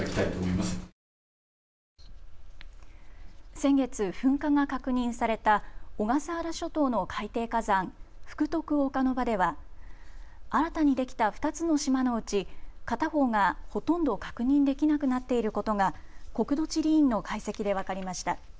先月、噴火が確認された小笠原諸島の海底火山、福徳岡ノ場では新たにできた２つの島のうち片方が、ほとんど確認できなくなっていることが国土地理院の解析で分かりました。